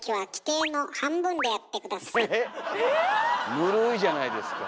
ぬるいじゃないですか。